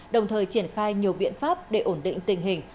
đồng thời triển khai nhiều biện pháp để ổn định tình hình